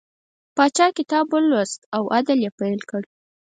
پاچا کتاب ولوست او عدل یې پیل کړ.